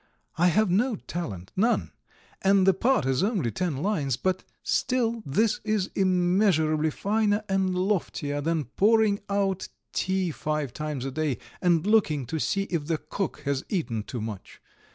I have no talent, none, and the part is only ten lines, but still this is immeasurably finer and loftier than pouring out tea five times a day, and looking to see if the cook has eaten too much.